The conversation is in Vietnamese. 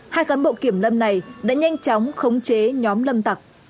hai cán bộ kiểm lâm này đã nhanh chóng khống chế nhóm lâm tặc